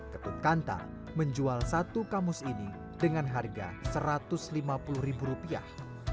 ketut kanta menjual satu kamus ini dengan harga satu ratus lima puluh ribu rupiah